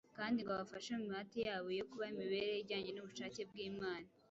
kandi ngo abafashe mu mihati yabo yo kubaho imibereho ijyanye n’ubushake bw’Imana.